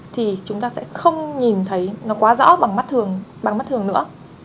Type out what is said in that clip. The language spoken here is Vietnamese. thì chúng ta sẽ không nhìn thấy nó quá rõ bằng mắt thường nữa